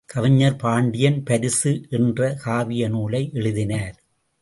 கவிஞர் பாண்டியன் பரிசு என்ற காவிய நூலை எழுதினார்.